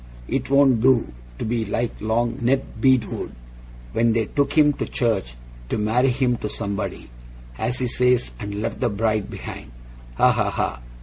It won't do to be like long Ned Beadwood, when they took him to church "to marry him to somebody", as he says, and left the bride behind. Ha! ha! ha!